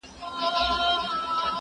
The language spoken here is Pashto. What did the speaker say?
هغه وويل چي بوټونه پاک ساتل مهم دي،